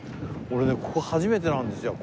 ここ初めてなんですよ。